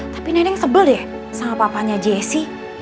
tapi neneng sebel deh sama papanya jessi